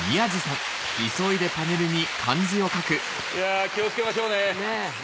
いや気を付けましょうね。